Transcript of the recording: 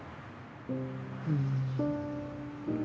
うん。